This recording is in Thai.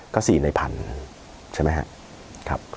ก็๔ใน๑๐๐๐ใช่ไหมครับ